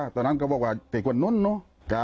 ตอนนั้นเขาบอกว่าเต็มความนุ่นนิ้ว